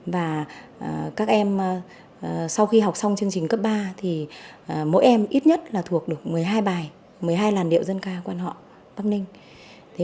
và các em sau khi học xong chương trình cấp ba thì mỗi em ít nhất là thuộc được một mươi hai bài một mươi hai làn điệu dân ca quan họ bắc ninh